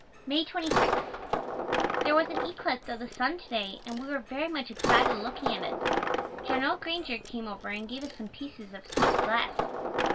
May 26. There was an eclipse of the sun to day and we were very much excited looking at it. General Granger came over and gave us some pieces of smoked glass.